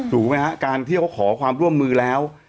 ถูกไหมฮะการที่เขาขอความร่วมมือแล้ว